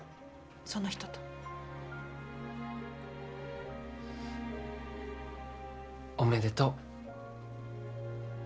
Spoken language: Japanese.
その人と。おめでとう。